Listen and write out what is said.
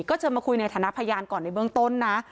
ก็เชิญมาคุยในฐานะพยานก่อนในเบื้องต้นนะ